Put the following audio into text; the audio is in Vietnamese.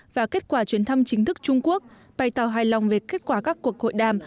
và kết quả chuyến thăm chính thức trung quốc bày tỏ hài lòng về kết quả các cuộc hội đàm